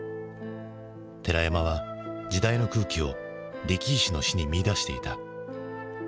寺山は時代の空気を力石の死に見いだしていた。